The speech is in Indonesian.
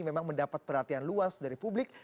memang mendapat perhatian luas dari publik